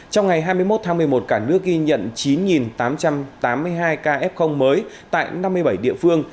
trong ngày hai mươi một tháng một mươi một cả nước ghi nhận chín tám trăm tám mươi hai ca f mới tại năm mươi bảy địa phương